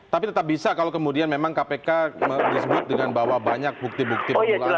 tapi tetap bisa kalau kemudian memang kpk disebut dengan bahwa banyak bukti bukti penularan